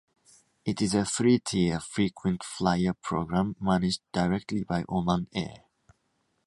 It is a three tier frequent flyer program managed directly by Oman Air.